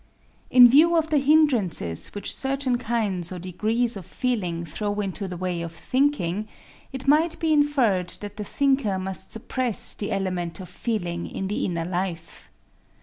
In view of the hindrances which certain kinds or degrees of feeling throw into the way of thinking, it might be inferred that the thinker must suppress the element of feeling in the inner life.